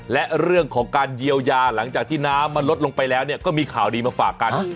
และเรื่องของการเยียวยาหลังจากที่น้ำมันลดลงไปแล้วก็มีข่าวดีมาฝากกัน